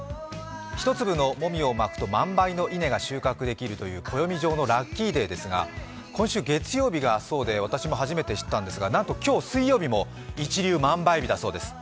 一粒のもみをまくと万倍の稲が収穫できるという暦上のラッキーデーですが今週月曜日がそうで、私も初めて知ったんですがなんと今日水曜日も一粒万倍日だそうです。